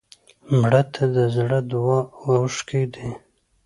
مړه ته د زړه دعا اوښکې دي